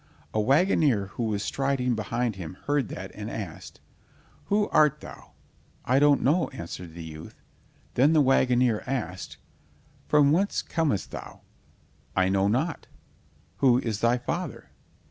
A wagoner who was striding behind him heard that and asked: "Who art thou?" "I don't know," answered the youth. Then the wagoner asked: "From whence comest thou?" "I know not." "Who is thy father?"